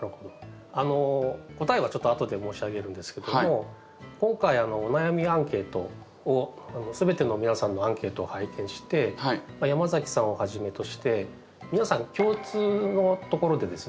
あの答えはちょっと後で申し上げるんですけども今回お悩みアンケートを全ての皆さんのアンケートを拝見して山崎さんをはじめとして皆さん共通のところでですね